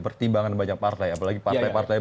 pertimbangan banyak partai apalagi partai partai